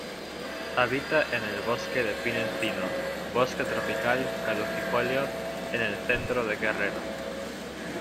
Habita en el bosque de pino-encino, bosque tropical caducifolio en el Centro de Guerrero.